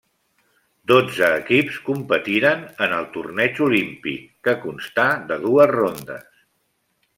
Dotze equips competiren en el torneig Olímpic, que constà de dues rondes.